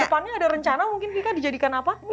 ke depannya ada rencana mungkin vika dijadikan apa